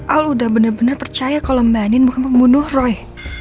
al udah bener bener percaya kalau mbak andin bukan pembunuh roy